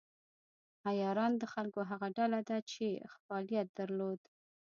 عیاران د خلکو هغه ډله ده چې فعالیت درلود.